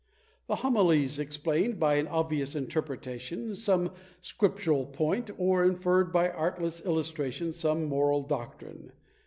The Homilies explained, by an obvious interpretation, some scriptural point, or inferred, by artless illustration, some moral doctrine.